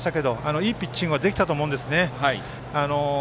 いいピッチングはできたと思うんです。